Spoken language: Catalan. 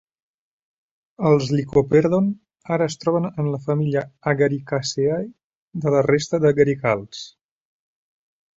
Els "Lycoperdon" ara es troben en la família Agaricaceae de la resta d'agaricals.